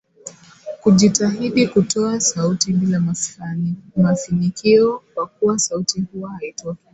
Kujitahidi kutoa sauti bila mafinikio kwa kuwa sauti huwa haitoki